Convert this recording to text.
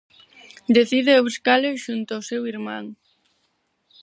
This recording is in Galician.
Decide buscalo xunto ao seu irmán.